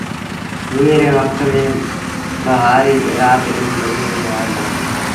ميݩهن ري وکت ميݩ با هآريٚ رآت ڏيݩهݩ ٻنيٚ ميݩ هوئي دو